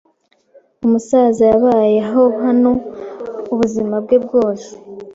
Umusaza yabayeho hano ubuzima bwe bwose.